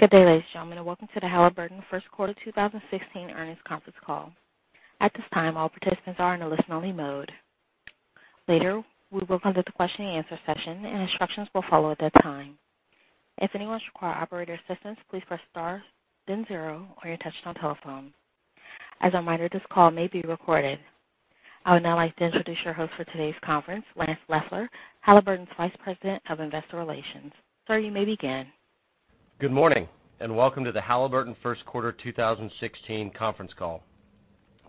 Good day, ladies and gentlemen, and welcome to the Halliburton first quarter 2016 earnings conference call. At this time, all participants are in a listen-only mode. Later, we will conduct a question and answer session, and instructions will follow at that time. If anyone requires operator assistance, please press star then zero on your touch-tone telephone. As a reminder, this call may be recorded. I would now like to introduce your host for today's conference, Lance Loeffler, Halliburton's Vice President of Investor Relations. Sir, you may begin. Good morning. Welcome to the Halliburton first quarter 2016 conference call.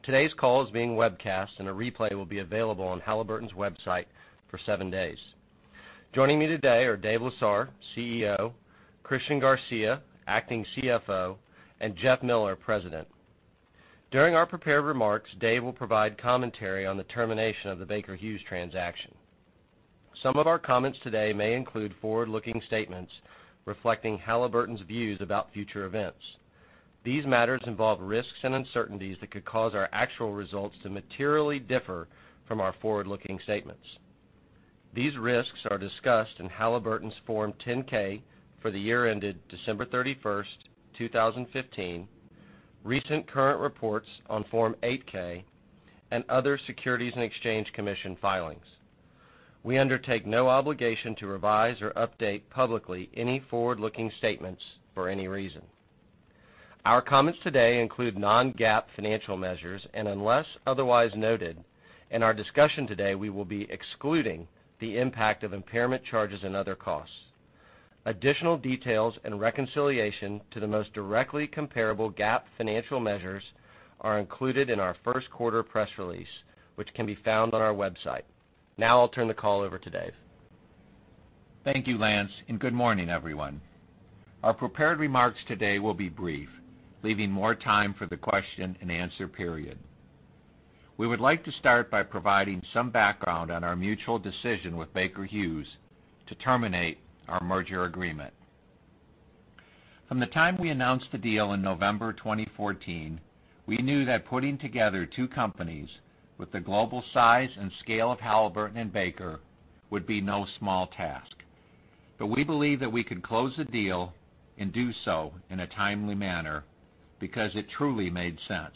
Today's call is being webcast. A replay will be available on Halliburton's website for seven days. Joining me today are Dave Lesar, CEO, Christian Garcia, Acting CFO, and Jeff Miller, President. During our prepared remarks, Dave will provide commentary on the termination of the Baker Hughes transaction. Some of our comments today may include forward-looking statements reflecting Halliburton's views about future events. These matters involve risks and uncertainties that could cause our actual results to materially differ from our forward-looking statements. These risks are discussed in Halliburton's Form 10-K for the year ended December 31st, 2015, recent current reports on Form 8-K, and other Securities and Exchange Commission filings. We undertake no obligation to revise or update publicly any forward-looking statements for any reason. Our comments today include non-GAAP financial measures. Unless otherwise noted in our discussion today, we will be excluding the impact of impairment charges and other costs. Additional details and reconciliation to the most directly comparable GAAP financial measures are included in our first quarter press release, which can be found on our website. I'll turn the call over to Dave. Thank you, Lance. Good morning, everyone. Our prepared remarks today will be brief, leaving more time for the question and answer period. We would like to start by providing some background on our mutual decision with Baker Hughes to terminate our merger agreement. From the time we announced the deal in November 2014, we knew that putting together two companies with the global size and scale of Halliburton and Baker would be no small task. We believed that we could close the deal and do so in a timely manner because it truly made sense.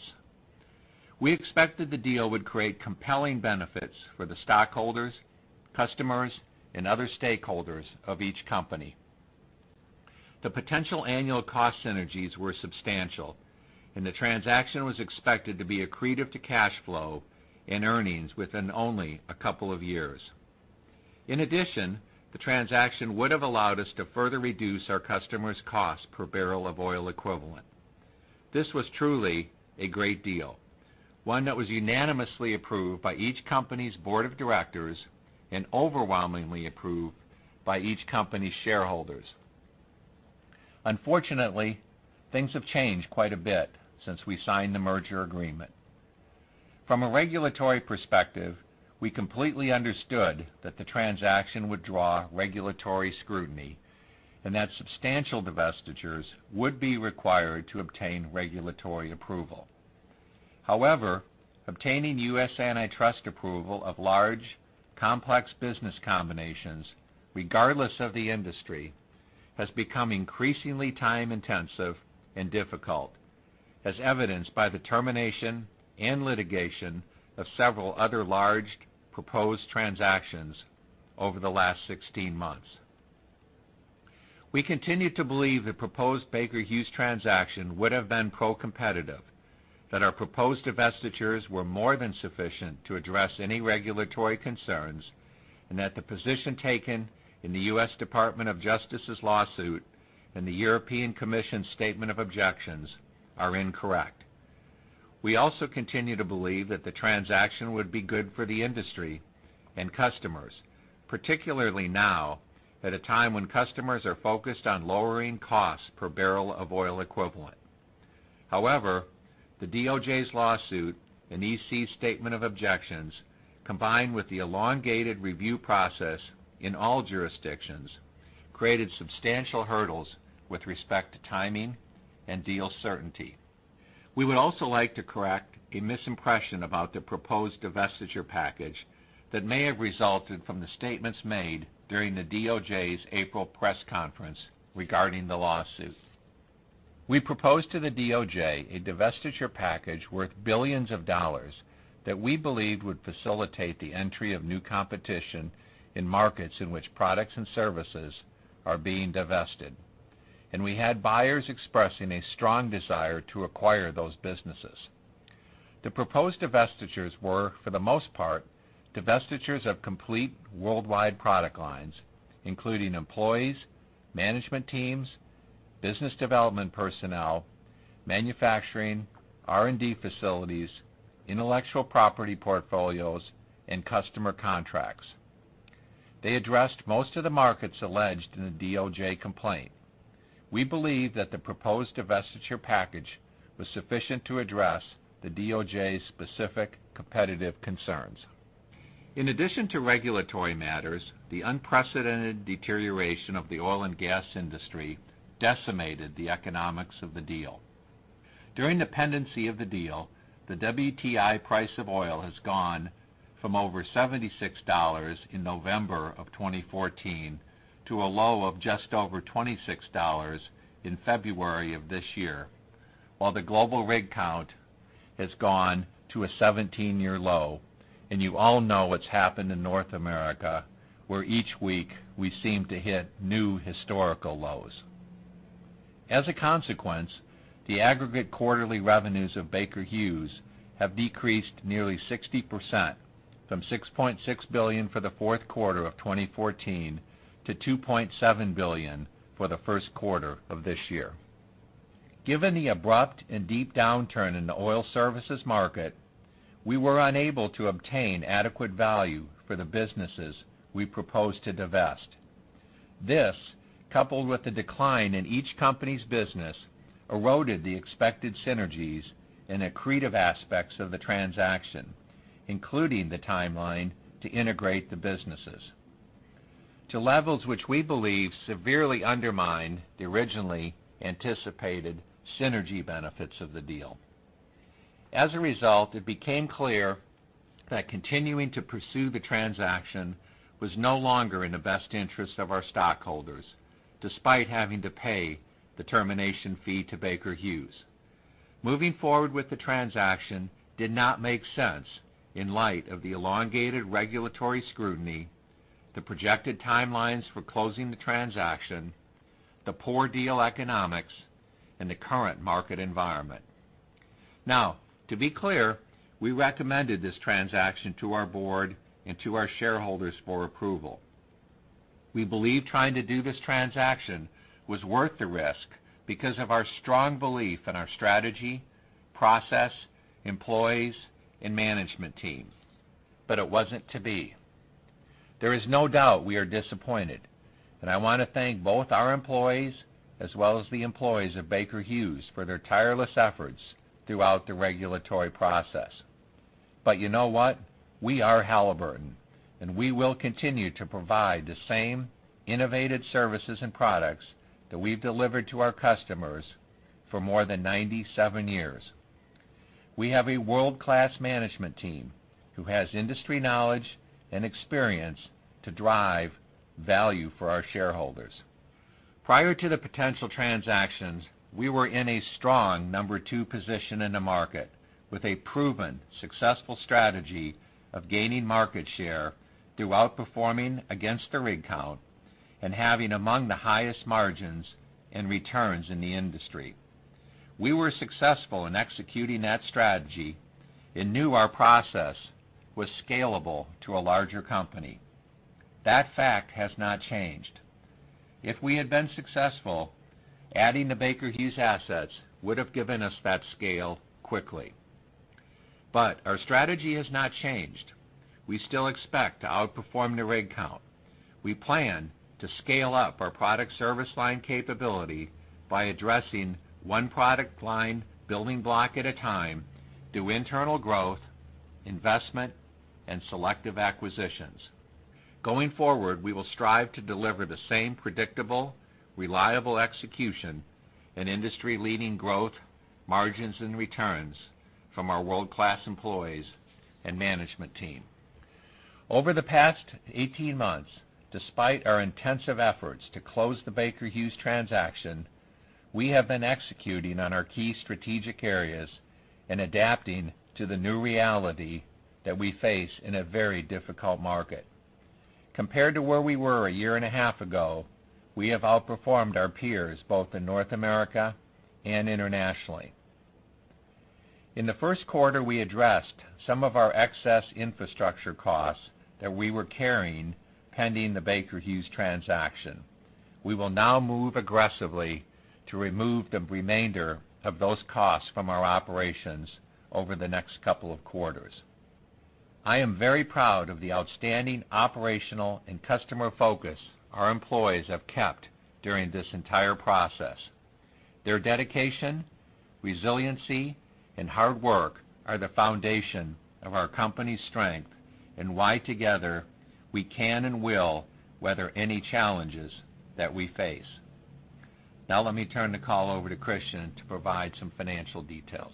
We expected the deal would create compelling benefits for the stockholders, customers, and other stakeholders of each company. The potential annual cost synergies were substantial. The transaction was expected to be accretive to cash flow and earnings within only a couple of years. In addition, the transaction would have allowed us to further reduce our customers' cost per barrel of oil equivalent. This was truly a great deal, one that was unanimously approved by each company's board of directors and overwhelmingly approved by each company's shareholders. Unfortunately, things have changed quite a bit since we signed the merger agreement. From a regulatory perspective, we completely understood that the transaction would draw regulatory scrutiny and that substantial divestitures would be required to obtain regulatory approval. However, obtaining U.S. antitrust approval of large, complex business combinations, regardless of the industry, has become increasingly time-intensive and difficult, as evidenced by the termination and litigation of several other large proposed transactions over the last 16 months. We continue to believe the proposed Baker Hughes transaction would have been pro-competitive, that our proposed divestitures were more than sufficient to address any regulatory concerns, and that the position taken in the U.S. Department of Justice's lawsuit and the European Commission's statement of objections are incorrect. We also continue to believe that the transaction would be good for the industry and customers, particularly now, at a time when customers are focused on lowering costs per barrel of oil equivalent. However, the DOJ's lawsuit and EC statement of objections, combined with the elongated review process in all jurisdictions, created substantial hurdles with respect to timing and deal certainty. We would also like to correct a misimpression about the proposed divestiture package that may have resulted from the statements made during the DOJ's April press conference regarding the lawsuit. We proposed to the DOJ a divestiture package worth $billions that we believed would facilitate the entry of new competition in markets in which products and services are being divested, and we had buyers expressing a strong desire to acquire those businesses. The proposed divestitures were, for the most part, divestitures of complete worldwide product lines, including employees, management teams, business development personnel, manufacturing, R&D facilities, intellectual property portfolios, and customer contracts. They addressed most of the markets alleged in the DOJ complaint. We believe that the proposed divestiture package was sufficient to address the DOJ's specific competitive concerns. In addition to regulatory matters, the unprecedented deterioration of the oil and gas industry decimated the economics of the deal. During the pendency of the deal, the WTI price of oil has gone from over $76 in November of 2014 to a low of just over $26 in February of this year. The global rig count has gone to a 17-year low, and you all know what's happened in North America, where each week we seem to hit new historical lows. As a consequence, the aggregate quarterly revenues of Baker Hughes have decreased nearly 60%, from $6.6 billion for the fourth quarter of 2014 to $2.7 billion for the first quarter of this year. Given the abrupt and deep downturn in the oil services market, we were unable to obtain adequate value for the businesses we proposed to divest. This, coupled with the decline in each company's business, eroded the expected synergies and accretive aspects of the transaction, including the timeline to integrate the businesses to levels which we believe severely undermined the originally anticipated synergy benefits of the deal. As a result, it became clear that continuing to pursue the transaction was no longer in the best interest of our stockholders, despite having to pay the termination fee to Baker Hughes. Moving forward with the transaction did not make sense in light of the elongated regulatory scrutiny, the projected timelines for closing the transaction, the poor deal economics, and the current market environment. To be clear, we recommended this transaction to our board and to our shareholders for approval. We believe trying to do this transaction was worth the risk because of our strong belief in our strategy, process, employees, and management team, but it wasn't to be. There is no doubt we are disappointed, and I want to thank both our employees as well as the employees of Baker Hughes for their tireless efforts throughout the regulatory process. You know what? We are Halliburton, and we will continue to provide the same innovative services and products that we've delivered to our customers for more than 97 years. We have a world-class management team who has industry knowledge and experience to drive value for our shareholders. Prior to the potential transactions, we were in a strong number 2 position in the market with a proven successful strategy of gaining market share through outperforming against the rig count and having among the highest margins and returns in the industry. We were successful in executing that strategy and knew our process was scalable to a larger company. That fact has not changed. If we had been successful, adding the Baker Hughes assets would have given us that scale quickly. Our strategy has not changed. We still expect to outperform the rig count. We plan to scale up our product service line capability by addressing one product line building block at a time through internal growth, investment, and selective acquisitions. Going forward, we will strive to deliver the same predictable, reliable execution and industry-leading growth, margins, and returns from our world-class employees and management team. Over the past 18 months, despite our intensive efforts to close the Baker Hughes transaction, we have been executing on our key strategic areas and adapting to the new reality that we face in a very difficult market. Compared to where we were a year and a half ago, we have outperformed our peers both in North America and internationally. In the first quarter, we addressed some of our excess infrastructure costs that we were carrying pending the Baker Hughes transaction. We will now move aggressively to remove the remainder of those costs from our operations over the next couple of quarters. I am very proud of the outstanding operational and customer focus our employees have kept during this entire process. Their dedication, resiliency, and hard work are the foundation of our company's strength and why together we can and will weather any challenges that we face. Let me turn the call over to Christian to provide some financial details.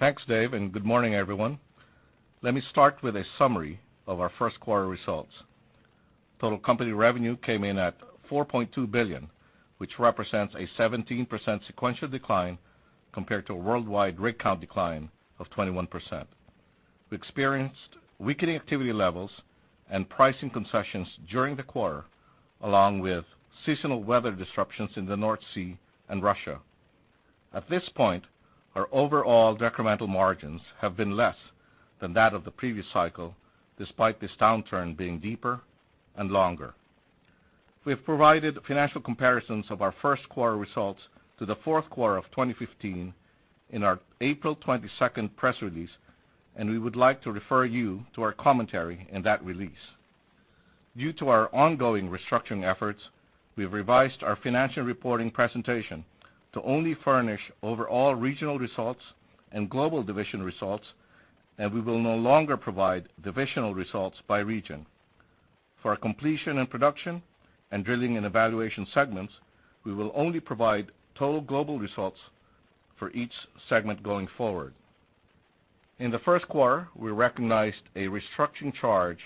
Thanks, Dave. Good morning, everyone. Let me start with a summary of our first quarter results. Total company revenue came in at $4.2 billion, which represents a 17% sequential decline compared to a worldwide rig count decline of 21%. We experienced weakening activity levels and pricing concessions during the quarter, along with seasonal weather disruptions in the North Sea and Russia. At this point, our overall decremental margins have been less than that of the previous cycle, despite this downturn being deeper and longer. We have provided financial comparisons of our first quarter results to the fourth quarter of 2015 in our April 22nd press release. We would like to refer you to our commentary in that release. Due to our ongoing restructuring efforts, we've revised our financial reporting presentation to only furnish overall regional results and global division results. We will no longer provide divisional results by region. For our Completion and Production and Drilling and Evaluation segments, we will only provide total global results for each segment going forward. In the first quarter, we recognized a restructuring charge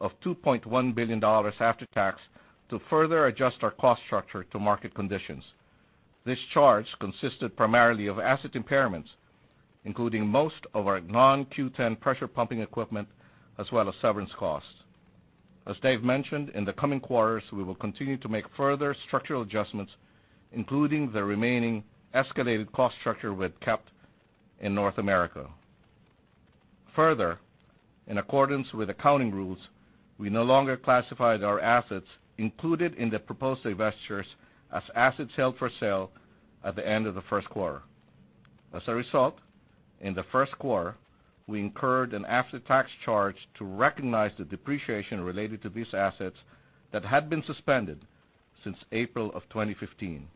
of $2.1 billion after tax to further adjust our cost structure to market conditions. This charge consisted primarily of asset impairments, including most of our non-Q10 pressure pumping equipment, as well as severance costs. As Dave mentioned, in the coming quarters, we will continue to make further structural adjustments, including the remaining escalated cost structure we have kept in North America. In accordance with accounting rules, we no longer classified our assets included in the proposed divestitures as assets held for sale at the end of the first quarter. As a result, in the first quarter, we incurred an after-tax charge to recognize the depreciation related to these assets that had been suspended since April of 2015.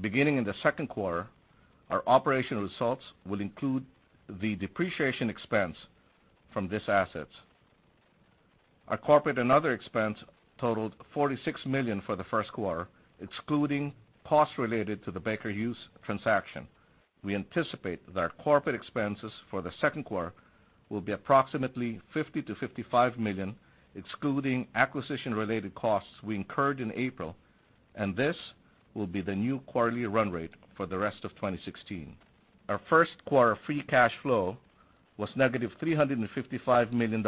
Beginning in the second quarter, our operational results will include the depreciation expense from these assets. Our corporate and other expense totaled $46 million for the first quarter, excluding costs related to the Baker Hughes transaction. We anticipate that our corporate expenses for the second quarter will be approximately $50 million-$55 million, excluding acquisition-related costs we incurred in April. This will be the new quarterly run rate for the rest of 2016. Our first quarter free cash flow was negative $355 million,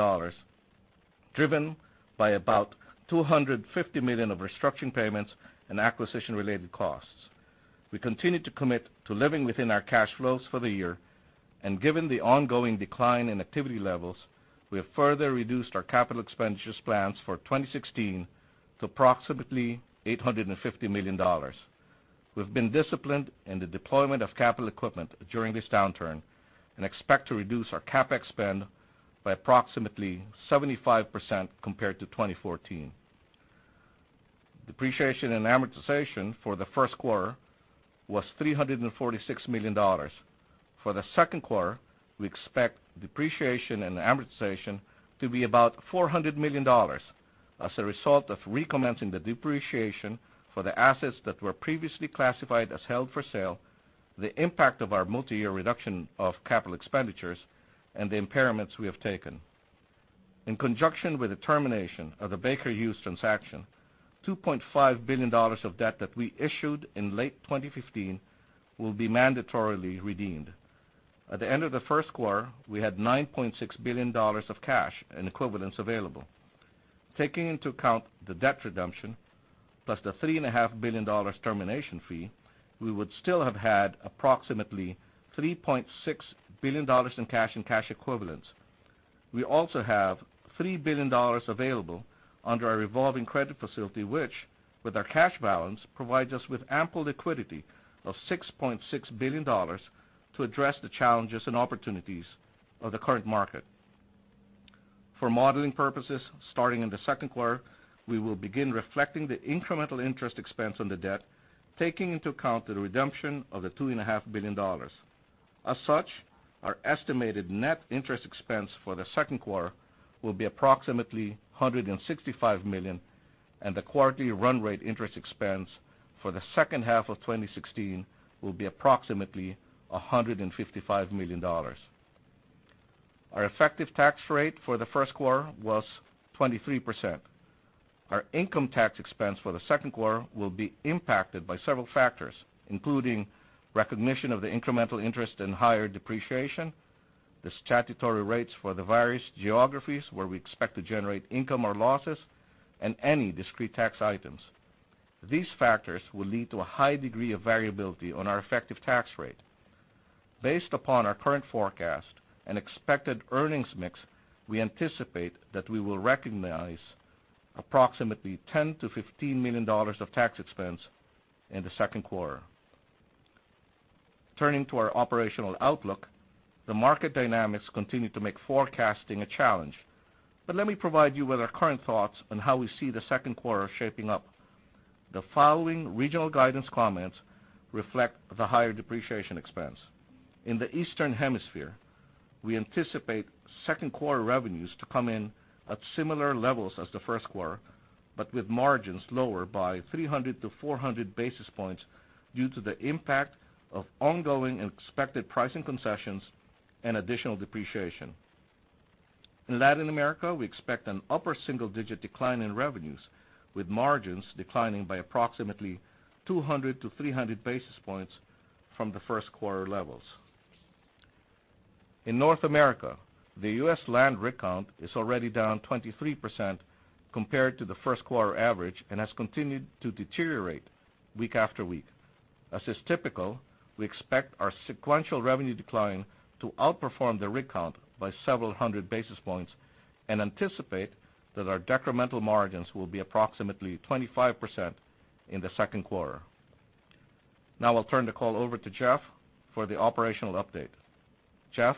driven by about $250 million of restructuring payments and acquisition-related costs. We continue to commit to living within our cash flows for the year. Given the ongoing decline in activity levels, we have further reduced our capital expenditures plans for 2016 to approximately $850 million. We've been disciplined in the deployment of capital equipment during this downturn and expect to reduce our CapEx spend by approximately 75% compared to 2014. Depreciation and amortization for the first quarter was $346 million. For the second quarter, we expect depreciation and amortization to be about $400 million as a result of recommencing the depreciation for the assets that were previously classified as held for sale, the impact of our multi-year reduction of capital expenditures, and the impairments we have taken. In conjunction with the termination of the Baker Hughes transaction, $2.5 billion of debt that we issued in late 2015 will be mandatorily redeemed. At the end of the first quarter, we had $9.6 billion of cash and equivalents available. Taking into account the debt redemption plus the $3.5 billion termination fee, we would still have had approximately $3.6 billion in cash and cash equivalents. We also have $3 billion available under our revolving credit facility, which, with our cash balance, provides us with ample liquidity of $6.6 billion to address the challenges and opportunities of the current market. For modeling purposes, starting in the second quarter, we will begin reflecting the incremental interest expense on the debt, taking into account the redemption of the $2.5 billion. As such, our estimated net interest expense for the second quarter will be approximately $165 million. The quarterly run rate interest expense for the second half of 2016 will be approximately $155 million. Our effective tax rate for the first quarter was 23%. Our income tax expense for the second quarter will be impacted by several factors, including recognition of the incremental interest and higher depreciation, the statutory rates for the various geographies where we expect to generate income or losses, and any discrete tax items. These factors will lead to a high degree of variability on our effective tax rate. Based upon our current forecast and expected earnings mix, we anticipate that we will recognize approximately $10 million-$15 million of tax expense in the second quarter. Turning to our operational outlook, the market dynamics continue to make forecasting a challenge. Let me provide you with our current thoughts on how we see the second quarter shaping up. The following regional guidance comments reflect the higher depreciation expense. In the Eastern Hemisphere, we anticipate second quarter revenues to come in at similar levels as the first quarter, but with margins lower by 300-400 basis points due to the impact of ongoing and expected pricing concessions and additional depreciation. In Latin America, we expect an upper single-digit decline in revenues, with margins declining by approximately 200-300 basis points from the first quarter levels. In North America, the U.S. land rig count is already down 23% compared to the first quarter average and has continued to deteriorate week after week. As is typical, we expect our sequential revenue decline to outperform the rig count by several hundred basis points and anticipate that our decremental margins will be approximately 25% in the second quarter. I'll turn the call over to Jeff for the operational update. Jeff?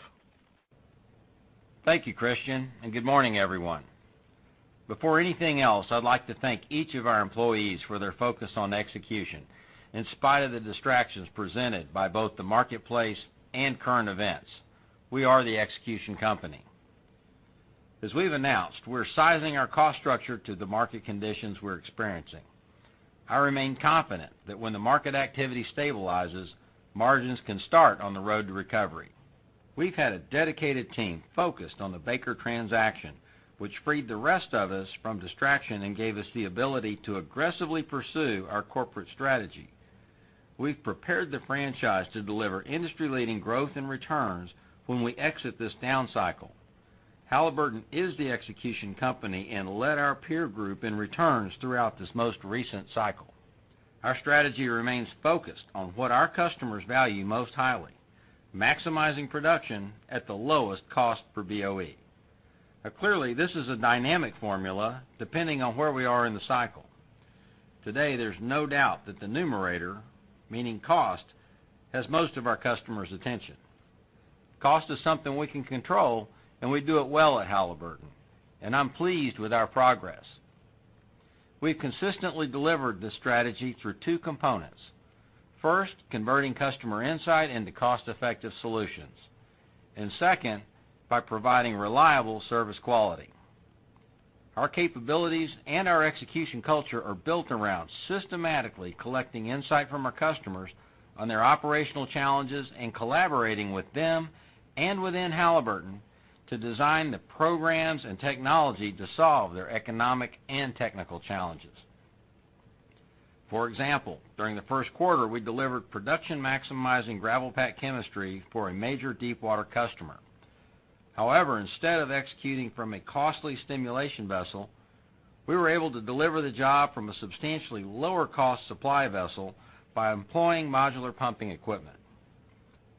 Thank you, Christian, and good morning, everyone. Before anything else, I'd like to thank each of our employees for their focus on execution, in spite of the distractions presented by both the marketplace and current events. We are the execution company. As we've announced, we're sizing our cost structure to the market conditions we're experiencing. I remain confident that when the market activity stabilizes, margins can start on the road to recovery. We've had a dedicated team focused on the Baker transaction, which freed the rest of us from distraction and gave us the ability to aggressively pursue our corporate strategy. We've prepared the franchise to deliver industry-leading growth and returns when we exit this down cycle. Halliburton is the execution company and led our peer group in returns throughout this most recent cycle. Our strategy remains focused on what our customers value most highly, maximizing production at the lowest cost per BOE. Clearly, this is a dynamic formula, depending on where we are in the cycle. Today, there's no doubt that the numerator, meaning cost, has most of our customers' attention. Cost is something we can control, and we do it well at Halliburton, and I'm pleased with our progress. We've consistently delivered this strategy through two components. First, converting customer insight into cost-effective solutions. Second, by providing reliable service quality. Our capabilities and our execution culture are built around systematically collecting insight from our customers on their operational challenges and collaborating with them and within Halliburton to design the programs and technology to solve their economic and technical challenges. For example, during the first quarter, we delivered production-maximizing gravel-pack chemistry for a major deepwater customer. However, instead of executing from a costly stimulation vessel, we were able to deliver the job from a substantially lower cost supply vessel by employing modular pumping equipment.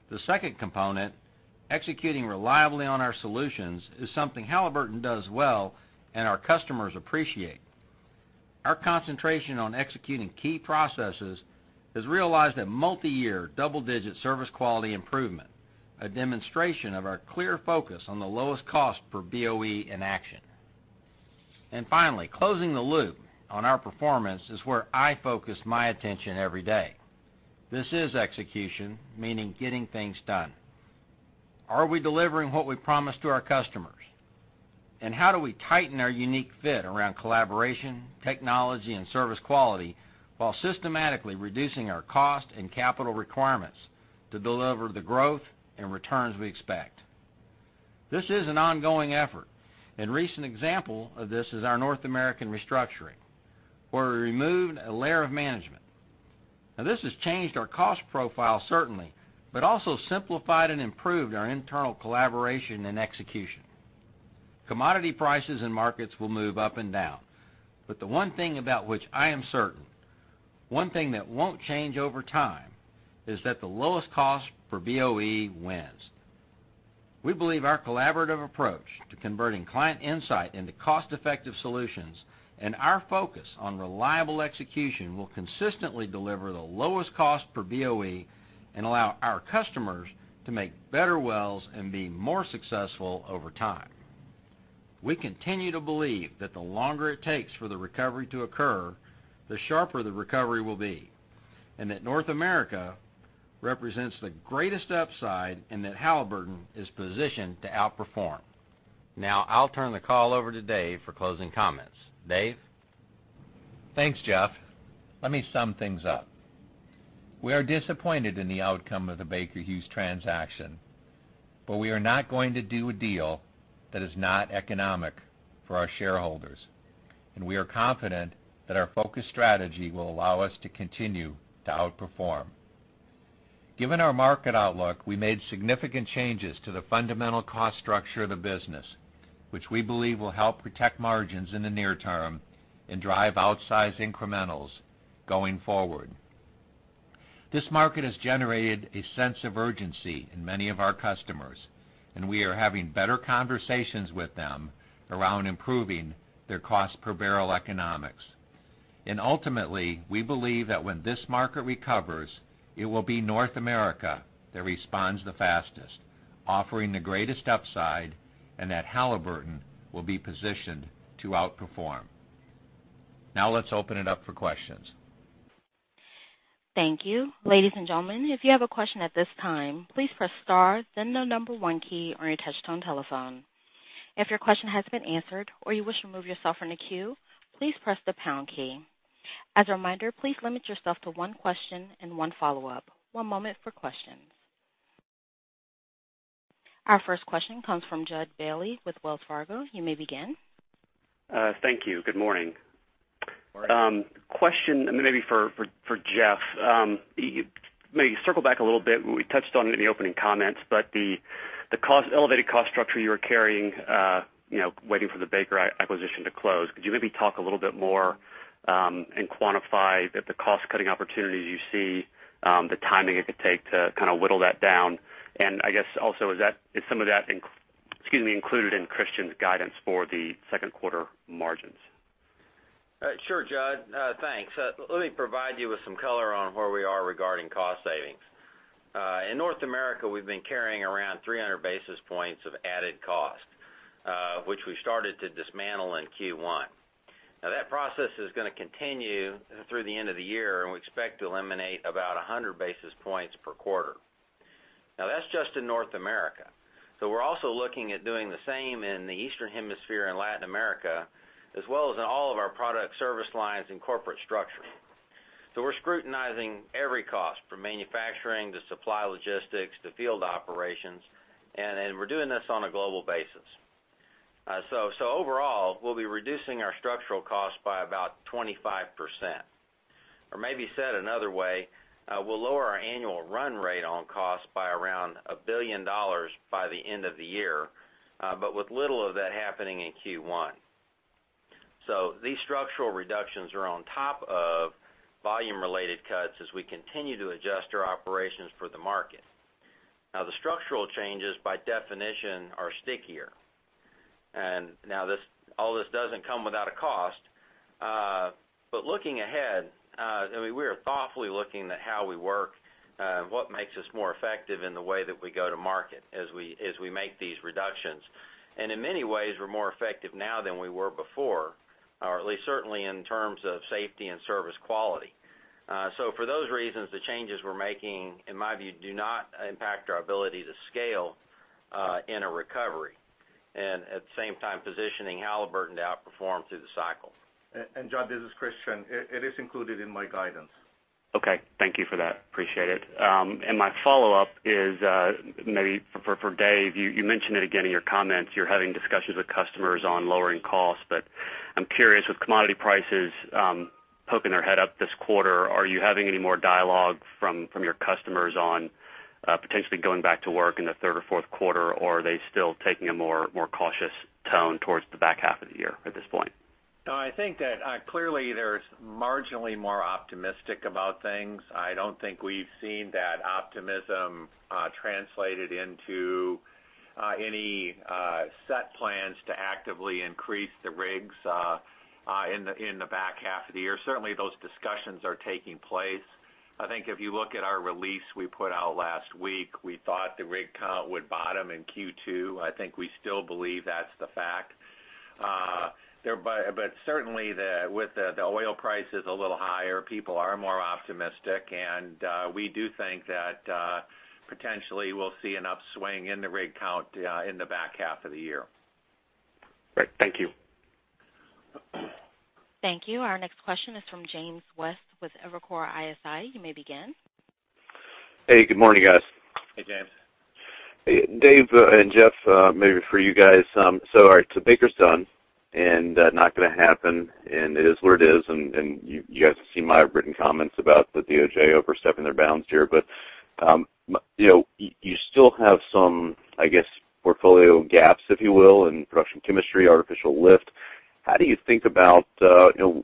The second component, executing reliably on our solutions, is something Halliburton does well, and our customers appreciate. Our concentration on executing key processes has realized a multi-year double-digit service quality improvement, a demonstration of our clear focus on the lowest cost per BOE in action. Finally, closing the loop on our performance is where I focus my attention every day. This is execution, meaning getting things done. Are we delivering what we promised to our customers? How do we tighten our unique fit around collaboration, technology, and service quality while systematically reducing our cost and capital requirements to deliver the growth and returns we expect? This is an ongoing effort. A recent example of this is our North American restructuring, where we removed a layer of management. This has changed our cost profile certainly, but also simplified and improved our internal collaboration and execution. Commodity prices and markets will move up and down, but the one thing about which I am certain, one thing that won't change over time, is that the lowest cost per BOE wins. We believe our collaborative approach to converting client insight into cost-effective solutions and our focus on reliable execution will consistently deliver the lowest cost per BOE and allow our customers to make better wells and be more successful over time. We continue to believe that the longer it takes for the recovery to occur, the sharper the recovery will be, and that North America represents the greatest upside and that Halliburton is positioned to outperform. I'll turn the call over to Dave for closing comments. Dave? Thanks, Jeff. Let me sum things up. We are disappointed in the outcome of the Baker Hughes transaction. We are not going to do a deal that is not economic for our shareholders, and we are confident that our focus strategy will allow us to continue to outperform. Given our market outlook, we made significant changes to the fundamental cost structure of the business, which we believe will help protect margins in the near term and drive outsized incrementals going forward. This market has generated a sense of urgency in many of our customers, and we are having better conversations with them around improving their cost per barrel economics. Ultimately, we believe that when this market recovers, it will be North America that responds the fastest, offering the greatest upside, and that Halliburton will be positioned to outperform. Let's open it up for questions. Thank you. Ladies and gentlemen, if you have a question at this time, please press star, then the number one key on your touchtone telephone. If your question has been answered or you wish to remove yourself from the queue, please press the pound key. As a reminder, please limit yourself to one question and one follow-up. One moment for questions. Our first question comes from Jud Bailey with Wells Fargo. You may begin. Thank you. Good morning. Morning. Question maybe for Jeff. Maybe circle back a little bit, we touched on it in the opening comments, but the elevated cost structure you were carrying waiting for the Baker acquisition to close. Could you maybe talk a little bit more and quantify the cost-cutting opportunities you see, the timing it could take to kind of whittle that down? I guess also is some of that included in Christian's guidance for the second quarter margins? Sure, Jud. Thanks. Let me provide you with some color on where we are regarding cost savings. In North America, we've been carrying around 300 basis points of added cost, which we started to dismantle in Q1. That process is going to continue through the end of the year, and we expect to eliminate about 100 basis points per quarter. That's just in North America. We're also looking at doing the same in the Eastern Hemisphere and Latin America, as well as in all of our product service lines and corporate structure. We're scrutinizing every cost from manufacturing to supply logistics to field operations, and we're doing this on a global basis. Overall, we'll be reducing our structural cost by about 25%. Maybe said another way, we'll lower our annual run rate on cost by around $1 billion by the end of the year, but with little of that happening in Q1. These structural reductions are on top of volume-related cuts as we continue to adjust our operations for the market. The structural changes, by definition, are stickier. All this doesn't come without a cost. Looking ahead, we are thoughtfully looking at how we work, what makes us more effective in the way that we go to market as we make these reductions. In many ways, we're more effective now than we were before, or at least certainly in terms of safety and service quality. For those reasons, the changes we're making, in my view, do not impact our ability to scale in a recovery. At the same time, positioning Halliburton to outperform through the cycle. Jud, this is Christian. It is included in my guidance. Okay. Thank you for that. Appreciate it. My follow-up is maybe for Dave, you mentioned it again in your comments. You're having discussions with customers on lowering costs, but I'm curious, with commodity prices poking their head up this quarter, are you having any more dialogue from your customers on potentially going back to work in the third or fourth quarter? Are they still taking a more cautious tone towards the back half of the year at this point? No, I think that clearly they're marginally more optimistic about things. I don't think we've seen that optimism translated into any set plans to actively increase the rigs in the back half of the year. Certainly, those discussions are taking place. I think if you look at our release we put out last week, we thought the rig count would bottom in Q2. I think we still believe that's the fact. Certainly with the oil prices a little higher, people are more optimistic, and we do think that potentially we'll see an upswing in the rig count in the back half of the year. Great. Thank you. Thank you. Our next question is from James West with Evercore ISI. You may begin. Hey, good morning, guys. Hey, James. Dave and Jeff, maybe for you guys. All right, Baker's done and not going to happen, and it is what it is. You guys have seen my written comments about the DOJ overstepping their bounds here. You still have some, I guess, portfolio gaps, if you will, in production chemistry, artificial lift.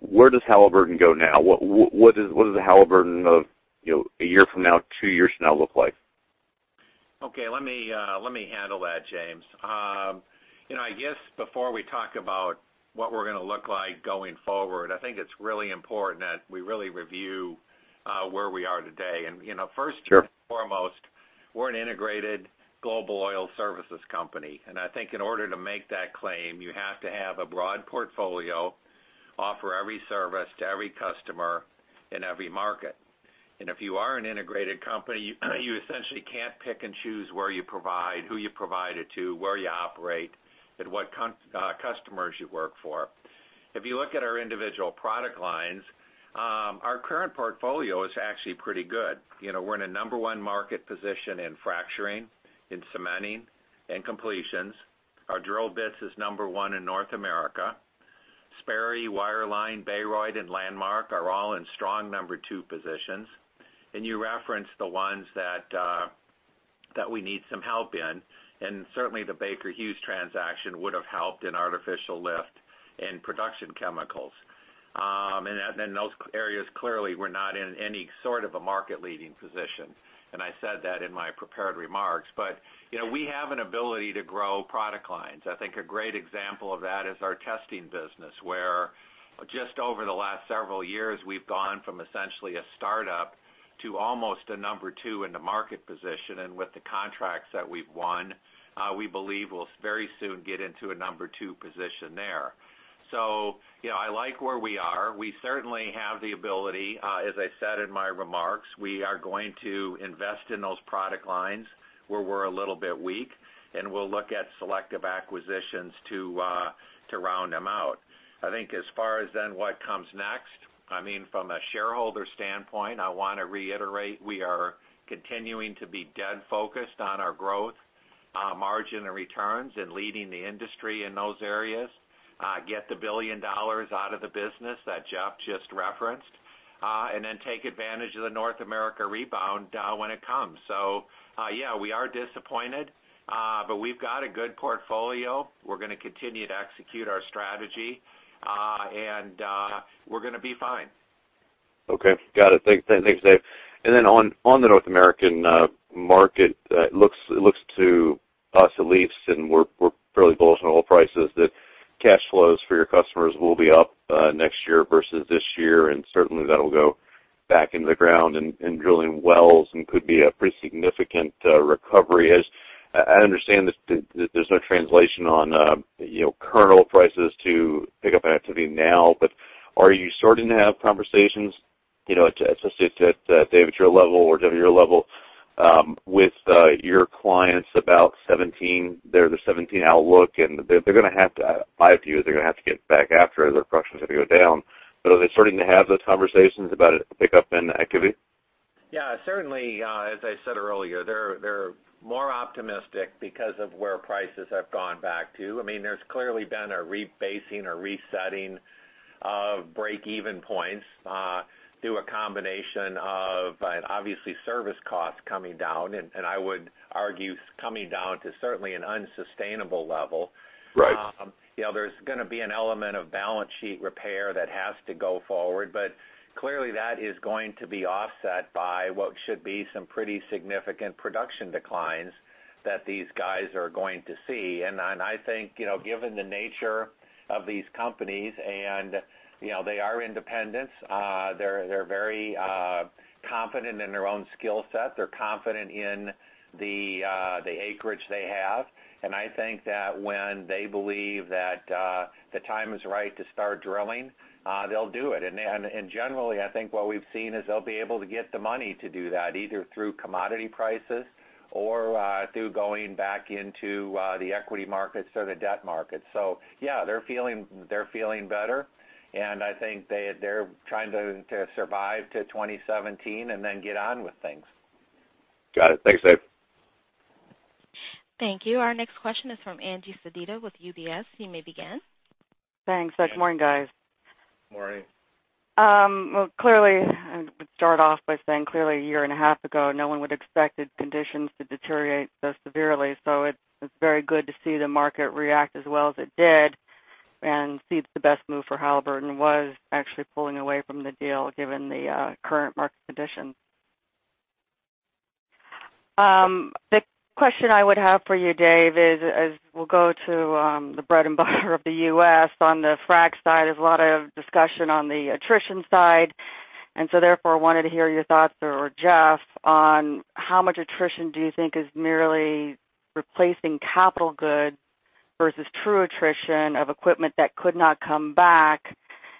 Where does Halliburton go now? What does the Halliburton of a year from now, two years from now look like? Okay, let me handle that, James. I guess before we talk about what we're going to look like going forward, I think it's really important that we really review where we are today. Sure. First and foremost, we're an integrated global oil services company. I think in order to make that claim, you have to have a broad portfolio, offer every service to every customer in every market. If you are an integrated company, you essentially can't pick and choose where you provide, who you provide it to, where you operate, and what customers you work for. If you look at our individual product lines, our current portfolio is actually pretty good. We're in a number one market position in fracturing, in cementing, and completions. Our drill bits is number one in North America. Sperry, Wireline, Baroid, and Landmark are all in strong number two positions. You referenced the ones that we need some help in, and certainly the Baker Hughes transaction would've helped in artificial lift and production chemicals. In those areas, clearly, we're not in any sort of a market-leading position, and I said that in my prepared remarks. We have an ability to grow product lines. I think a great example of that is our testing business, where just over the last several years, we've gone from essentially a startup to almost a number two in the market position. With the contracts that we've won, we believe we'll very soon get into a number two position there. I like where we are. We certainly have the ability. As I said in my remarks, we are going to invest in those product lines where we're a little bit weak, and we'll look at selective acquisitions to round them out. I think as far as then what comes next, from a shareholder standpoint, I want to reiterate we are continuing to be dead focused on our growth, margin, and returns and leading the industry in those areas, get the $1 billion out of the business that Jeff just referenced, then take advantage of the North America rebound when it comes. Yeah, we are disappointed. We've got a good portfolio. We're gonna continue to execute our strategy. We're gonna be fine. Okay. Got it. Thanks, Dave. Then on the North American market, it looks to us at least, and we're fairly bullish on oil prices, that cash flows for your customers will be up next year versus this year, and certainly that'll go back into the ground and drilling wells and could be a pretty significant recovery. I understand that there's no translation on current oil prices to pick up activity now. Are you starting to have conversations, let's say at Dave, at your level or Jeff at your level, with your clients about the 2017 outlook? They're going to have to, in my view, they're going to have to get back after it. Their production's going to go down. Are they starting to have those conversations about a pickup in activity? Yeah, certainly, as I said earlier, they're more optimistic because of where prices have gone back to. There's clearly been a rebasing or resetting of break-even points through a combination of, obviously, service costs coming down, and I would argue coming down to certainly an unsustainable level. Right. There's going to be an element of balance sheet repair that has to go forward. Clearly that is going to be offset by what should be some pretty significant production declines that these guys are going to see. I think, given the nature of these companies and they are independents, they're very confident in their own skill set. They're confident in the acreage they have. I think that when they believe that the time is right to start drilling, they'll do it. Generally, I think what we've seen is they'll be able to get the money to do that, either through commodity prices or through going back into the equity markets or the debt markets. Yeah, they're feeling better, and I think they're trying to survive to 2017 and then get on with things. Got it. Thanks, Dave. Thank you. Our next question is from Angie Sedita with UBS. You may begin. Thanks. Good morning, guys. Morning. Well, clearly, I would start off by saying clearly a year and a half ago, no one would've expected conditions to deteriorate so severely. It's very good to see the market react as well as it did and see that the best move for Halliburton was actually pulling away from the deal, given the current market conditions. The question I would have for you, Dave, is as we'll go to the bread and butter of the U.S. on the frack side, there's a lot of discussion on the attrition side. Therefore, I wanted to hear your thoughts, or Jeff, on how much attrition do you think is merely replacing capital goods versus true attrition of equipment that could not come back,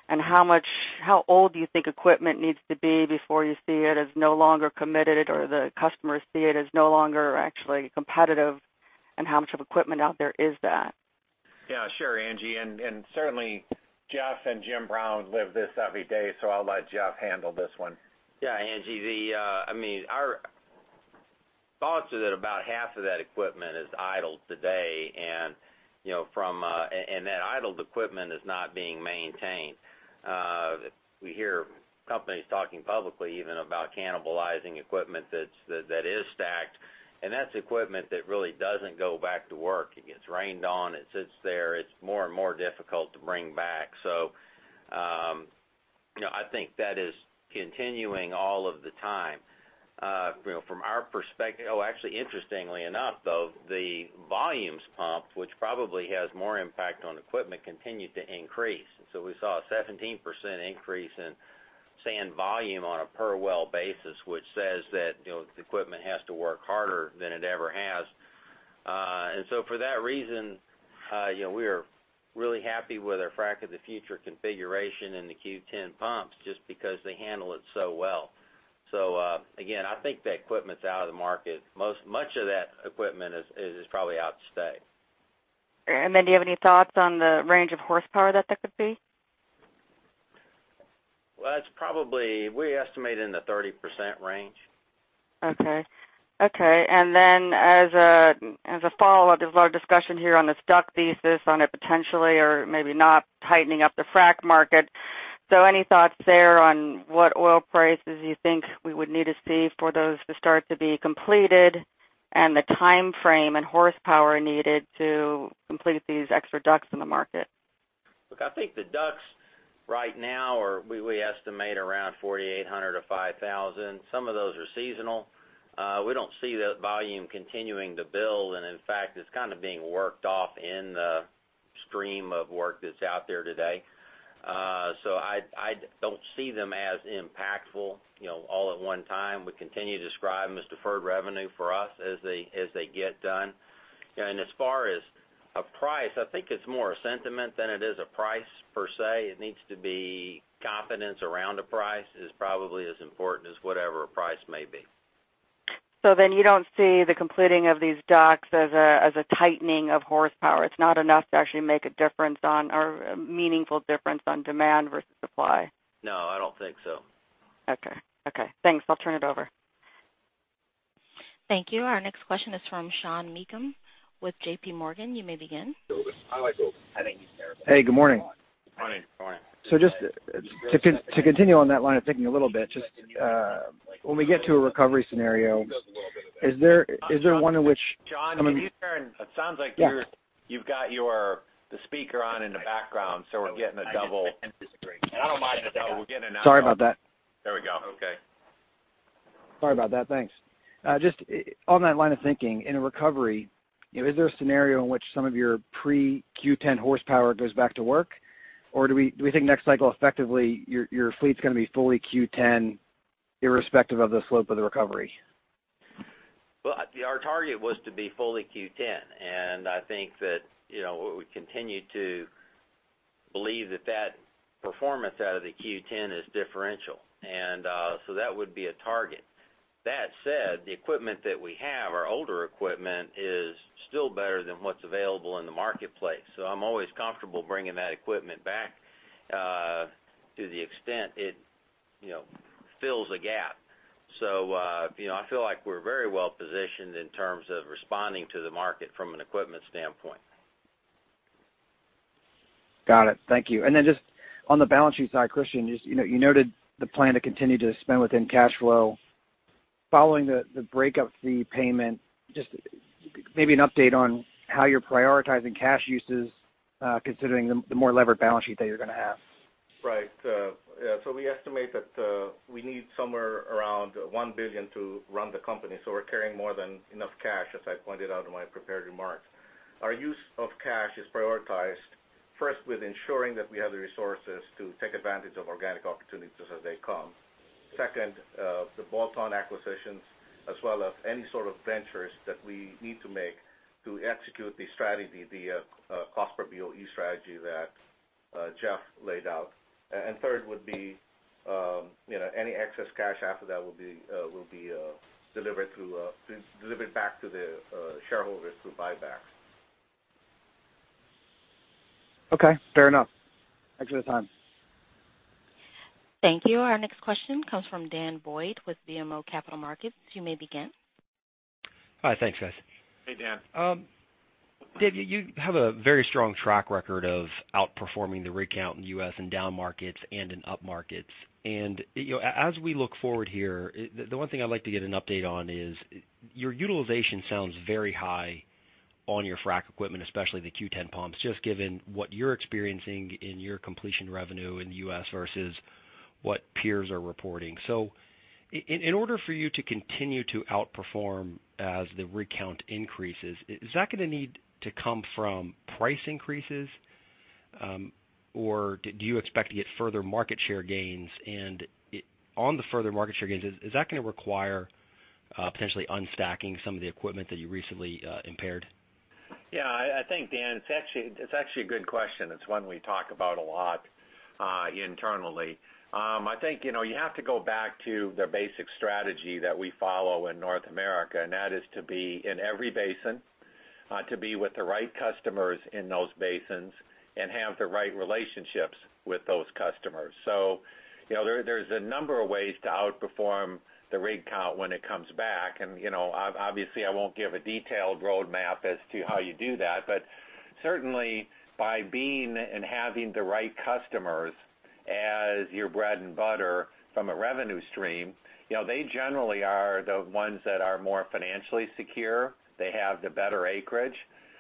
and how old do you think equipment needs to be before you see it as no longer competitive, or the customers see it as no longer actually competitive, and how much of equipment out there is that? Yeah, sure, Angie, certainly Jeff and Jim Brown live this every day. I'll let Jeff handle this one. Yeah, Angie, our thoughts are that about half of that equipment is idle today. That idled equipment is not being maintained. We hear companies talking publicly even about cannibalizing equipment that is stacked. That's equipment that really doesn't go back to work. It gets rained on. It sits there. It's more and more difficult to bring back. I think that is continuing all of the time. From our perspective, actually, interestingly enough, though, the volumes pumped, which probably has more impact on equipment, continued to increase. We saw a 17% increase in sand volume on a per well basis, which says that the equipment has to work harder than it ever has. For that reason, we are really happy with our Frac of the Future configuration and the Q10 pumps just because they handle it so well. Again, I think the equipment's out of the market. Much of that equipment is probably out to stay. Do you have any thoughts on the range of horsepower that that could be? Well, we estimate in the 30% range. Okay. As a follow-up, there's a lot of discussion here on this DUC thesis on it potentially or maybe not tightening up the frack market. Any thoughts there on what oil prices you think we would need to see for those to start to be completed and the timeframe and horsepower needed to complete these extra DUCs in the market? Look, I think the DUCs right now are, we estimate around 4,800 to 5,000. Some of those are seasonal. We don't see that volume continuing to build, and in fact, it's kind of being worked off in the stream of work that's out there today. I don't see them as impactful all at one time. We continue to describe them as deferred revenue for us as they get done. As far as a price, I think it's more a sentiment than it is a price per se. It needs to be confidence around a price is probably as important as whatever a price may be. You don't see the completing of these DUCs as a tightening of horsepower. It's not enough to actually make a difference on, or a meaningful difference on demand versus supply. No, I don't think so. Okay. Thanks. I'll turn it over. Thank you. Our next question is from Sean Meakim with J.P. Morgan. You may begin. I like Golden. I think he's terrible. Good morning. Morning. Morning. Just to continue on that line of thinking a little bit, just when we get to a recovery scenario, is there one in which? Sean, can you hear? It sounds like you're. Yeah. You've got the speaker on in the background, so we're getting a double. I don't mind, but we're getting an echo. Sorry about that. There we go. Okay. Sorry about that. Thanks. Just on that line of thinking, in a recovery, is there a scenario in which some of your pre Q10 horsepower goes back to work? Do we think next cycle, effectively, your fleet's going to be fully Q10 irrespective of the slope of the recovery? Our target was to be fully Q10, and I think that, we continue to believe that performance out of the Q10 is differential. That would be a target. That said, the equipment that we have, our older equipment, is still better than what's available in the marketplace. I'm always comfortable bringing that equipment back, to the extent it fills a gap. I feel like we're very well positioned in terms of responding to the market from an equipment standpoint. Got it. Thank you. Just on the balance sheet side, Christian, you noted the plan to continue to spend within cash flow. Following the break-up fee payment, just maybe an update on how you're prioritizing cash uses, considering the more levered balance sheet that you're going to have. Right. We estimate that we need somewhere around $1 billion to run the company, so we're carrying more than enough cash, as I pointed out in my prepared remarks. Our use of cash is prioritized first with ensuring that we have the resources to take advantage of organic opportunities as they come. Second, the bolt-on acquisitions, as well as any sort of ventures that we need to make to execute the strategy, the cost per BOE strategy that Jeff laid out. Third would be any excess cash after that will be delivered back to the shareholders through buyback. Okay, fair enough. Thanks for the time. Thank you. Our next question comes from Daniel Boyd with BMO Capital Markets. You may begin. Hi, thanks, guys. Hey, Dan. Dave, you have a very strong track record of outperforming the rig count in U.S. in down markets and in up markets. As we look forward here, the one thing I'd like to get an update on is your utilization sounds very high on your frac equipment, especially the Q10 pumps, just given what you're experiencing in your completion revenue in the U.S. versus what peers are reporting. In order for you to continue to outperform as the rig count increases, is that going to need to come from price increases? Or do you expect to get further market share gains? On the further market share gains, is that going to require potentially unstacking some of the equipment that you recently impaired? I think, Dan, it's actually a good question. It's one we talk about a lot internally. I think you have to go back to the basic strategy that we follow in North America, and that is to be in every basin, to be with the right customers in those basins and have the right relationships with those customers. There's a number of ways to outperform the rig count when it comes back, obviously I won't give a detailed roadmap as to how you do that. Certainly, by being and having the right customers as your bread and butter from a revenue stream, they generally are the ones that are more financially secure. They have the better acreage,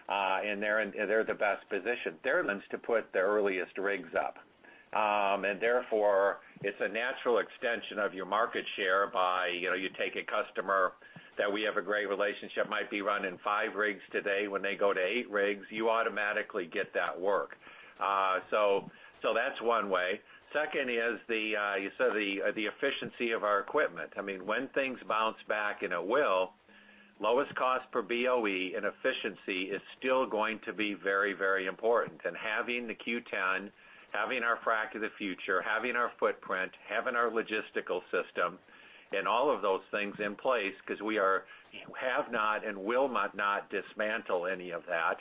and they're in the best position. They're the ones to put the earliest rigs up. Therefore, it's a natural extension of your market share by you take a customer that we have a great relationship, might be running five rigs today. When they go to eight rigs, you automatically get that work. That's one way. Second is the efficiency of our equipment. When things bounce back, and it will, lowest cost per BOE and efficiency is still going to be very important. Having the Q10, having our Frac of the Future, having our footprint, having our logistical system, and all of those things in place, because we have not and will not dismantle any of that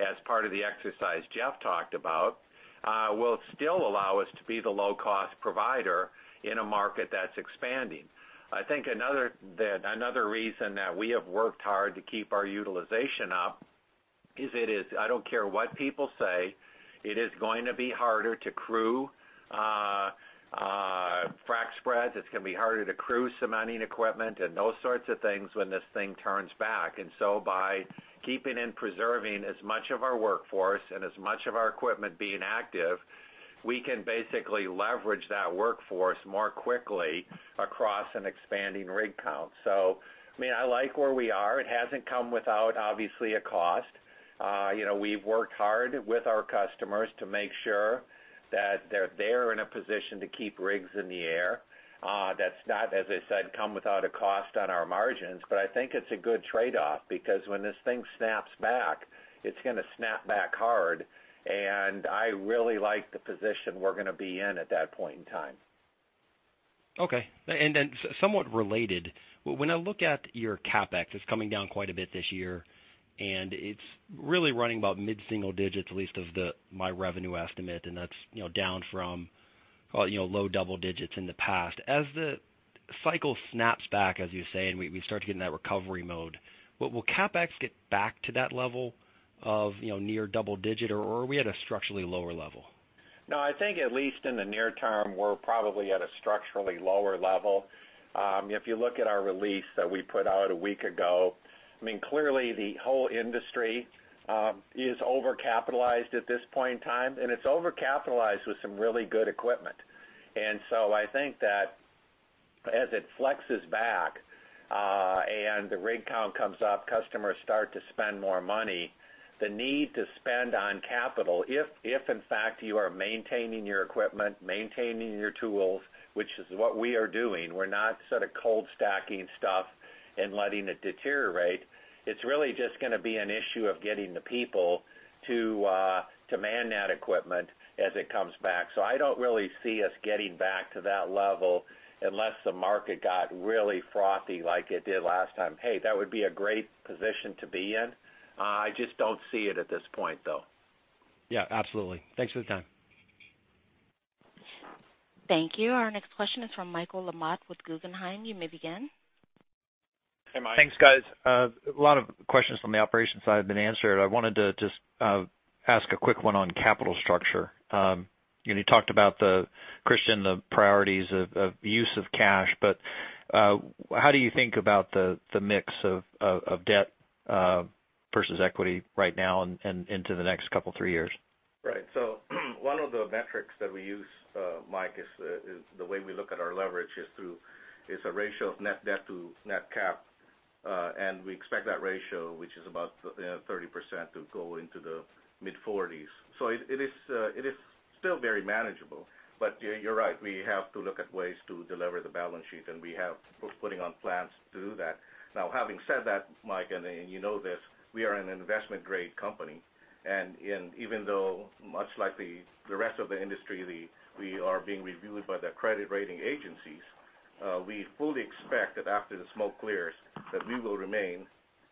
as part of the exercise Jeff talked about, will still allow us to be the low-cost provider in a market that's expanding. I think another reason that we have worked hard to keep our utilization up is it is, I don't care what people say, it is going to be harder to crew frac spreads. It's going to be harder to crew cementing equipment and those sorts of things when this thing turns back. By keeping and preserving as much of our workforce and as much of our equipment being active, we can basically leverage that workforce more quickly across an expanding rig count. I like where we are. It hasn't come without obviously a cost. We've worked hard with our customers to make sure that they're in a position to keep rigs in the air. That's not, as I said, come without a cost on our margins, I think it's a good trade-off because when this thing snaps back, it's going to snap back hard, I really like the position we're going to be in at that point in time. Okay. Somewhat related, when I look at your CapEx, it's coming down quite a bit this year, and it's really running about mid-single digits, at least of my revenue estimate, and that's down from low double digits in the past. As the cycle snaps back, as you say, and we start to get in that recovery mode, will CapEx get back to that level of near double digit, or are we at a structurally lower level? No, I think at least in the near term, we're probably at a structurally lower level. If you look at our release that we put out a week ago, clearly the whole industry is over-capitalized at this point in time, and it's over-capitalized with some really good equipment. I think that As it flexes back, and the rig count comes up, customers start to spend more money. The need to spend on capital, if in fact you are maintaining your equipment, maintaining your tools, which is what we are doing. We're not sort of cold stacking stuff and letting it deteriorate. It's really just going to be an issue of getting the people to man that equipment as it comes back. I don't really see us getting back to that level unless the market got really frothy like it did last time. Hey, that would be a great position to be in. I just don't see it at this point, though. Yeah, absolutely. Thanks for the time. Thank you. Our next question is from Michael LaMotte with Guggenheim. You may begin. Hey, Mike. Thanks, guys. A lot of questions from the operations side have been answered. I wanted to just ask a quick one on capital structure. You talked about the, Christian, the priorities of use of cash, but how do you think about the mix of debt versus equity right now and into the next couple of three years? Right. One of the metrics that we use, Mike, is the way we look at our leverage is through a ratio of net debt to net cap. We expect that ratio, which is about 30%, to go into the mid-40s. It is still very manageable. You're right, we have to look at ways to de-lever the balance sheet, and we have putting on plans to do that. Now, having said that, Mike, and you know this, we are an investment-grade company, and even though much like the rest of the industry, we are being reviewed by the credit rating agencies. We fully expect that after the smoke clears, that we will remain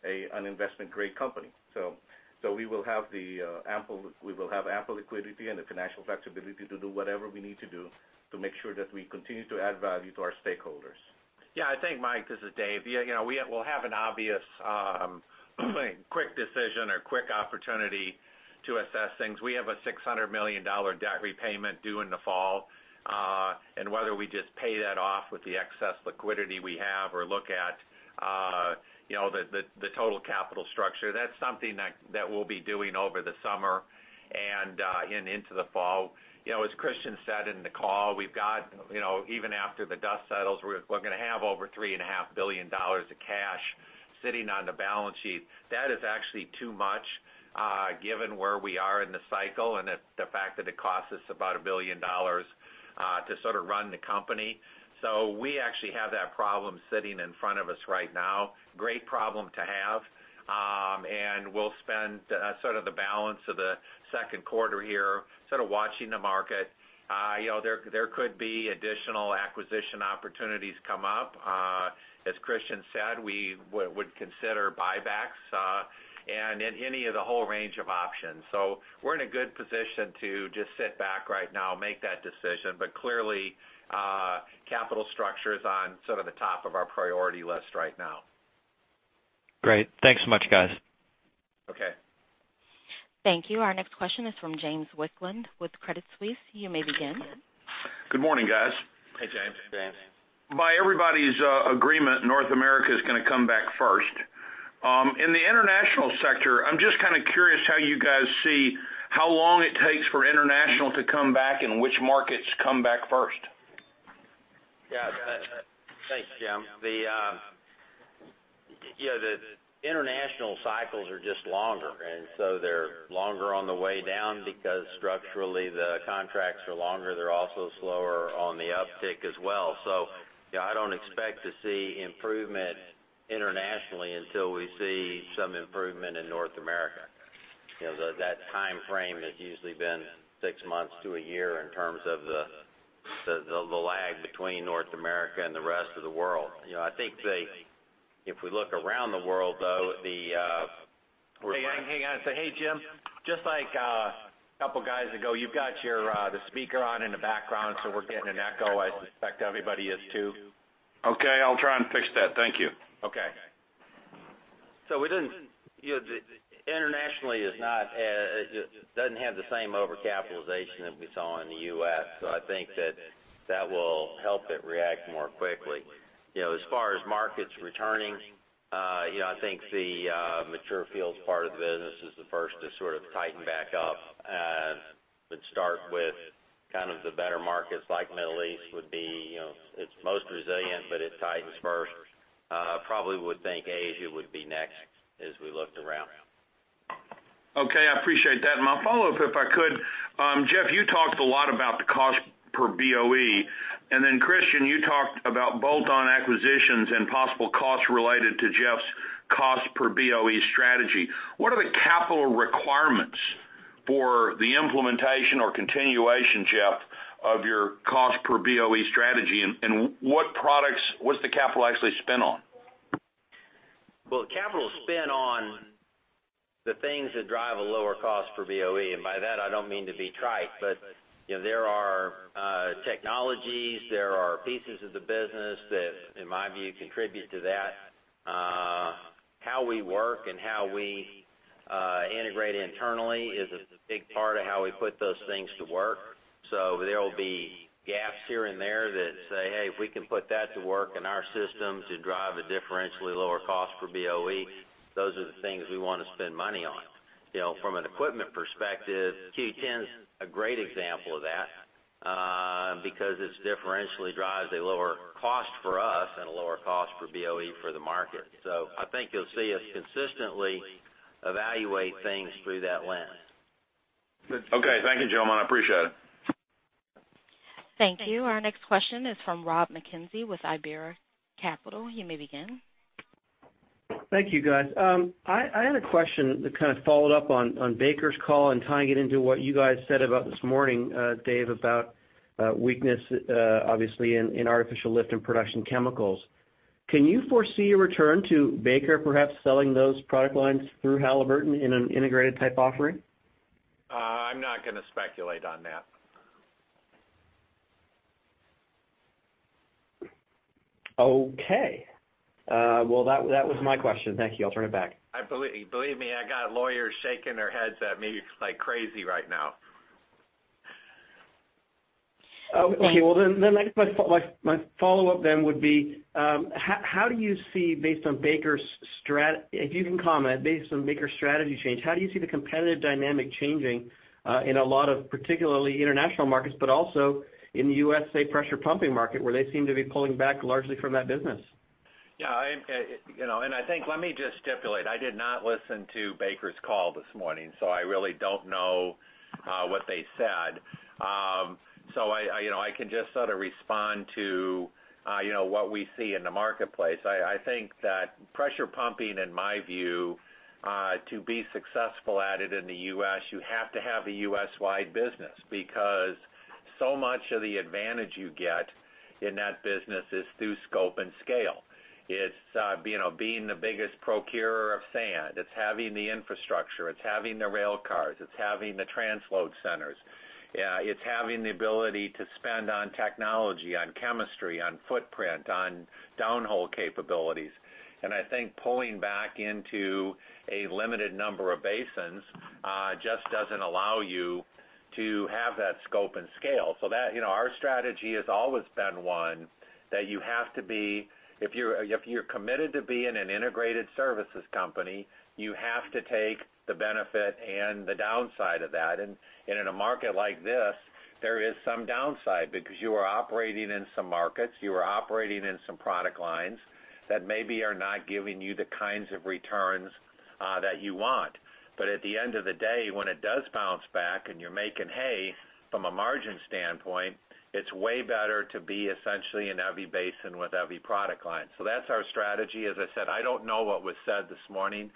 an investment-grade company. We will have ample liquidity and the financial flexibility to do whatever we need to do to make sure that we continue to add value to our stakeholders. Yeah, I think, Mike, this is Dave. We'll have an obvious quick decision or quick opportunity to assess things. We have a $600 million debt repayment due in the fall, whether we just pay that off with the excess liquidity we have or look at the total capital structure. That's something that we'll be doing over the summer and into the fall. As Christian said in the call, even after the dust settles, we're going to have over $3.5 billion of cash sitting on the balance sheet. That is actually too much, given where we are in the cycle and the fact that it costs us about $1 billion to sort of run the company. We actually have that problem sitting in front of us right now. Great problem to have. We'll spend sort of the balance of the second quarter here sort of watching the market. There could be additional acquisition opportunities come up. As Christian said, we would consider buybacks and any of the whole range of options. We're in a good position to just sit back right now, make that decision. Clearly, capital structure is on sort of the top of our priority list right now. Great. Thanks so much, guys. Okay. Thank you. Our next question is from James Wicklund with Credit Suisse. You may begin. Good morning, guys. Hey, James. James. By everybody's agreement, North America is going to come back first. In the international sector, I'm just kind of curious how you guys see how long it takes for international to come back, and which markets come back first. Yeah. Thanks, Jim. The international cycles are just longer, and so they're longer on the way down because structurally, the contracts are longer. They're also slower on the uptick as well. I don't expect to see improvement internationally until we see some improvement in North America. That timeframe has usually been six months to a year in terms of the lag between North America and the rest of the world. I think if we look around the world, though. Hang on. Hey, Jim, just like a couple guys ago, you've got the speaker on in the background, we're getting an echo. I suspect everybody is too. Okay, I'll try and fix that. Thank you. Okay. Internationally, it doesn't have the same over-capitalization that we saw in the U.S., I think that that will help it react more quickly. As far as markets returning, I think the mature fields part of the business is the first to sort of tighten back up and would start with kind of the better markets, like Middle East would be its most resilient, it tightens first. Probably would think Asia would be next as we looked around. Okay. I appreciate that. My follow-up, if I could, Jeff, you talked a lot about the cost per BOE, and then Christian, you talked about bolt-on acquisitions and possible costs related to Jeff's cost per BOE strategy. What are the capital requirements for the implementation or continuation, Jeff, of your cost per BOE strategy, and what's the capital actually spent on? The capital is spent on the things that drive a lower cost for BOE. By that, I don't mean to be trite, but there are technologies, there are pieces of the business that, in my view, contribute to that. How we work and how we integrate internally is a big part of how we put those things to work. There will be gaps here and there that say, "Hey, if we can put that to work in our system to drive a differentially lower cost for BOE," those are the things we want to spend money on. From an equipment perspective, Q10's a great example of that, because it differentially drives a lower cost for us and a lower cost for BOE for the market. I think you'll see us consistently evaluate things through that lens. Okay. Thank you, gentlemen. I appreciate it. Thank you. Our next question is from Rob Mackenzie with Iberia Capital. You may begin. Thank you, guys. I had a question to kind of follow up on Baker's call and tying it into what you guys said about this morning, Dave, about weakness, obviously, in artificial lift and production chemicals. Can you foresee a return to Baker Hughes perhaps selling those product lines through Halliburton in an integrated type offering? I'm not going to speculate on that. Okay. Well, that was my question. Thank you. I'll turn it back. Believe me, I got lawyers shaking their heads at me like crazy right now. My follow-up would be, if you can comment, based on Baker's strategy change, how do you see the competitive dynamic changing in a lot of particularly international markets, but also in the U.S., say, pressure pumping market, where they seem to be pulling back largely from that business? Yeah. Let me just stipulate, I did not listen to Baker's call this morning. I really don't know what they said. I can just sort of respond to what we see in the marketplace. I think that pressure pumping, in my view, to be successful at it in the U.S., you have to have a U.S.-wide business because so much of the advantage you get in that business is through scope and scale. It's being the biggest procurer of sand. It's having the infrastructure, it's having the rail cars, it's having the transload centers. It's having the ability to spend on technology, on chemistry, on footprint, on downhole capabilities. I think pulling back into a limited number of basins, just doesn't allow you to have that scope and scale. Our strategy has always been one that if you're committed to being an integrated services company, you have to take the benefit and the downside of that. In a market like this, there is some downside because you are operating in some markets, you are operating in some product lines that maybe are not giving you the kinds of returns that you want. At the end of the day, when it does bounce back and you're making hay from a margin standpoint, it's way better to be essentially in every basin with every product line. That's our strategy. As I said, I don't know what was said this morning.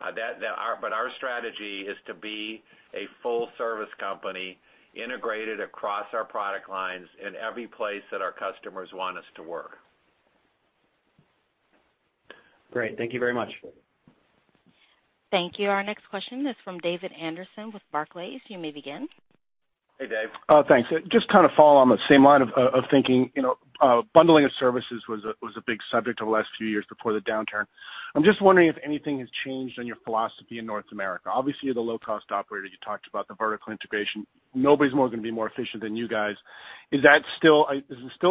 Our strategy is to be a full service company integrated across our product lines in every place that our customers want us to work. Great. Thank you very much. Thank you. Our next question is from David Anderson with Barclays. You may begin. Hey, Dave. Thanks. Just kind of follow on the same line of thinking. Bundling of services was a big subject over the last few years before the downturn. I'm just wondering if anything has changed on your philosophy in North America. Obviously, you're the low-cost operator. You talked about the vertical integration. Nobody's going to be more efficient than you guys. Is it still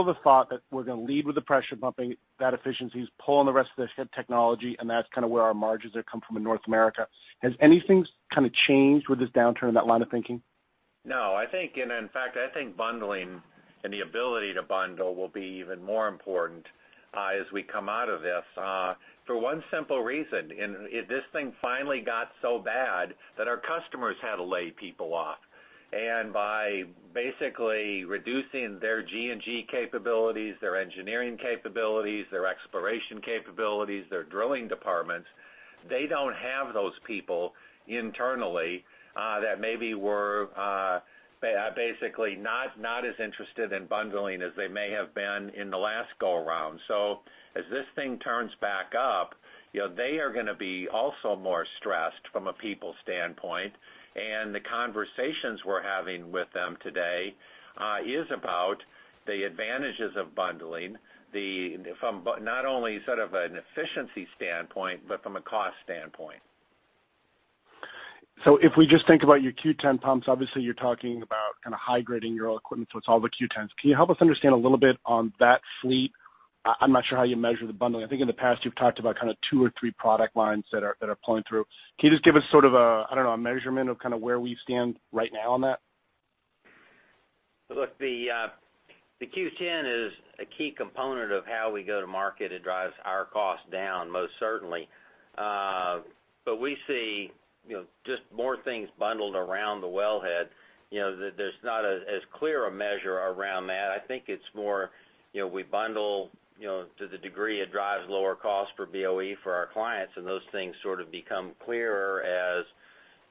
the thought that we're going to lead with the pressure pumping, that efficiency's pulling the rest of the technology, and that's kind of where our margins are coming from in North America? Has anything kind of changed with this downturn in that line of thinking? No. In fact, I think bundling and the ability to bundle will be even more important as we come out of this. For one simple reason, this thing finally got so bad that our customers had to lay people off. By basically reducing their G&G capabilities, their engineering capabilities, their exploration capabilities, their drilling departments, they don't have those people internally that maybe were basically not as interested in bundling as they may have been in the last go around. As this thing turns back up, they are going to be also more stressed from a people standpoint, and the conversations we're having with them today is about the advantages of bundling, from not only sort of an efficiency standpoint, but from a cost standpoint. If we just think about your Q10 pumps, obviously you're talking about kind of high grading your equipment, so it's all the Q10s. Can you help us understand a little bit on that fleet? I'm not sure how you measure the bundling. I think in the past, you've talked about kind of two or three product lines that are pulling through. Can you just give us sort of a measurement of kind of where we stand right now on that? Look, the Q10 is a key component of how we go to market. It drives our cost down most certainly. We see just more things bundled around the wellhead. There's not as clear a measure around that. I think it's more we bundle to the degree it drives lower cost for BOE for our clients, and those things sort of become clearer as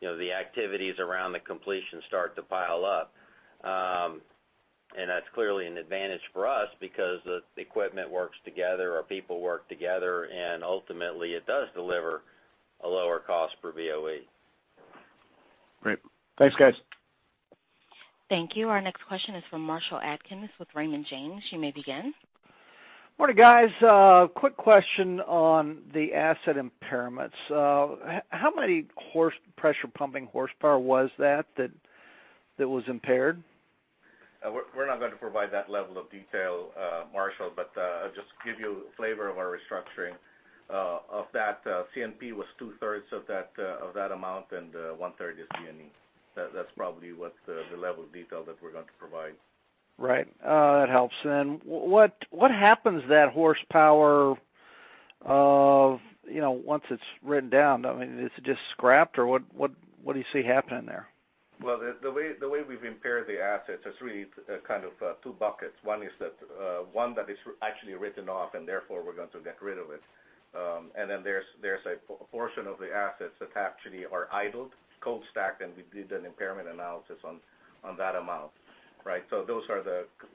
the activities around the completion start to pile up. That's clearly an advantage for us because the equipment works together, our people work together, and ultimately it does deliver a lower cost per BOE. Great. Thanks, guys. Thank you. Our next question is from Marshall Adkins with Raymond James. You may begin. Morning, guys. A quick question on the asset impairments. How many pressure pumping horsepower was that was impaired? We're not going to provide that level of detail, Marshall, but I'll just give you a flavor of our restructuring. Of that, C&P was two-thirds of that amount, and one-third is D&E. That's probably what the level of detail that we're going to provide. Right. That helps. What happens to that horsepower once it's written down? I mean, is it just scrapped, or what do you see happening there? Well, the way we've impaired the assets, it's really kind of two buckets. One that is actually written off, and therefore, we're going to get rid of it. There's a portion of the assets that actually are idled, cold stacked, and we did an impairment analysis on that amount. Those are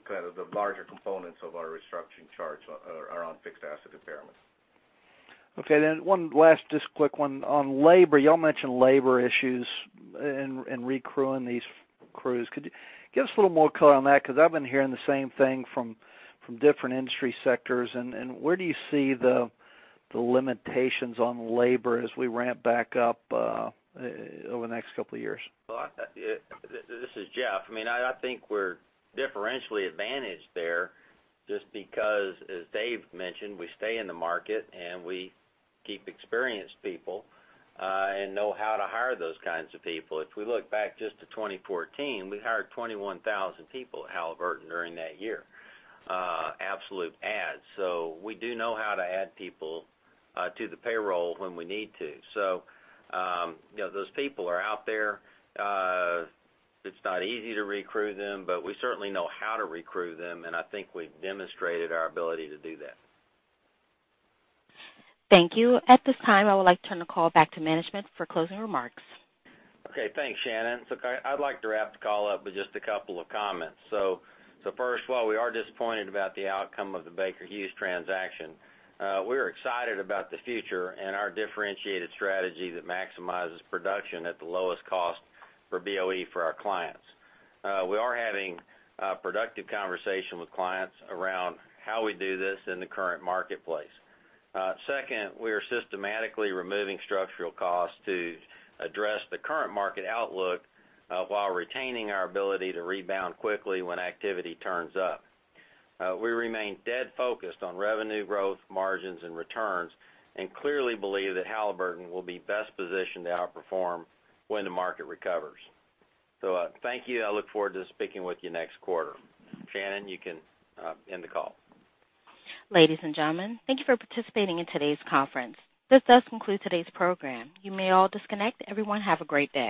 kind of the larger components of our restructuring charge around fixed asset impairment. Okay, one last just quick one. On labor, y'all mentioned labor issues and recrewing these crews. Could you give us a little more color on that? I've been hearing the same thing from different industry sectors, where do you see the limitations on labor as we ramp back up over the next couple of years? Well, this is Jeff. I think we're differentially advantaged there just because, as Dave mentioned, we stay in the market, and we keep experienced people and know how to hire those kinds of people. If we look back just to 2014, we hired 21,000 people at Halliburton during that year. Absolute add. We do know how to add people to the payroll when we need to. Those people are out there. It's not easy to recrew them, but we certainly know how to recrew them, and I think we've demonstrated our ability to do that. Thank you. At this time, I would like to turn the call back to management for closing remarks. Okay. Thanks, Shannon. I'd like to wrap the call up with just a couple of comments. First of all, we are disappointed about the outcome of the Baker Hughes transaction. We're excited about the future and our differentiated strategy that maximizes production at the lowest cost for BOE for our clients. We are having a productive conversation with clients around how we do this in the current marketplace. Second, we are systematically removing structural costs to address the current market outlook, while retaining our ability to rebound quickly when activity turns up. We remain dead focused on revenue growth, margins, and returns, and clearly believe that Halliburton will be best positioned to outperform when the market recovers. Thank you. I look forward to speaking with you next quarter. Shannon, you can end the call. Ladies and gentlemen, thank you for participating in today's conference. This does conclude today's program. You may all disconnect. Everyone, have a great day.